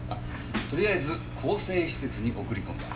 とりあえず更生施設に送り込んだ。